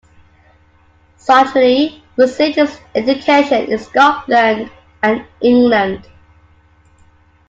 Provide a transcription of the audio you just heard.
Schally received his education in Scotland and England.